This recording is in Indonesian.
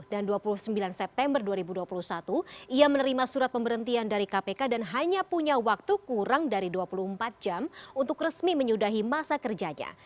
dan dua puluh sembilan september dua ribu dua puluh satu ia menerima surat pemberhentian dari kpk dan hanya punya waktu kurang dari dua puluh empat jam untuk resmi menyudahi masa kerjanya